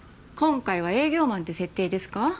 今回は営業マンって設定ですか？